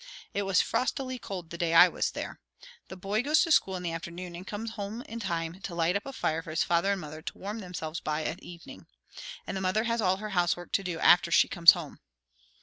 It was frostily cold the day I was there. The boy goes to school in the afternoon, and comes home in time to light up a fire for his father and mother to warm themselves by at evening. And the mother has all her housework to do after she comes home."